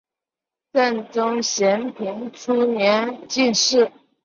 真宗咸平初年进士。